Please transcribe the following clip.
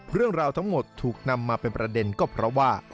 เรื่องราวทั้งหมดถูกนำมาเป็นประเด็นก็เพราะว่า